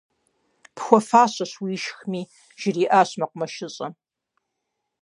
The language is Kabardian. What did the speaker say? - Пхуэфащэщ, уишхми, - жриӏащ мэкъумэшыщӏэм.